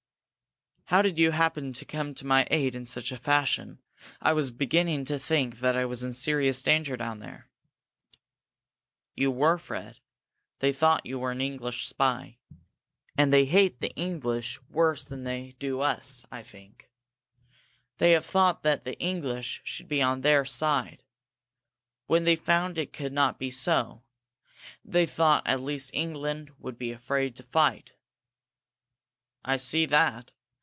"How did you happen to come to my aid in such a fashion? I was beginning to think that I was in serious danger down there." "You were, Fred! They thought you were an English spy. And they hate the English worse than they do us, I think. They have thought that the English should be on their side. When they found it could not be so, they thought that at least England would be afraid to fight." "I see that.